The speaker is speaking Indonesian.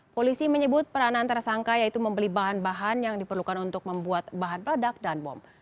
polisi menyebut peranan tersangka yaitu membeli bahan bahan yang diperlukan untuk membuat bahan peledak dan bom